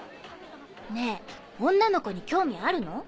ねぇ女の子に興味あるの？